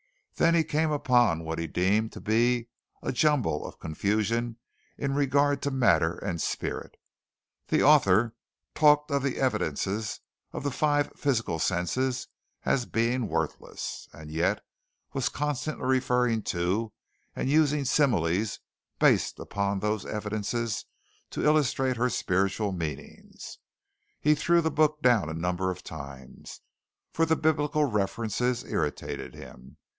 Then he came upon what he deemed to be a jumble of confusion in regard to matter and spirit. The author talked of the evidences of the five physical senses as being worthless, and yet was constantly referring to and using similes based upon those evidences to illustrate her spiritual meanings. He threw the book down a number of times, for the Biblical references irritated him.